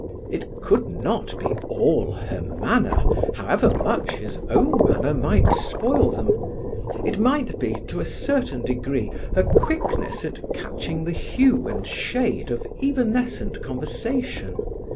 It could not be all her manner, however much his own manner might spoil them. It might be, to a certain degree, her quickness at catching the hue and shade of evanescent conversation.